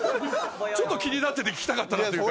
ちょっと気になってて聞きたかったなというか。